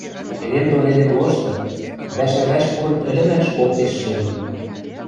Эдем дон эдем лошты вӓшӓ-вӓш пурын ӹлӹмӓш коктеш шелӹн.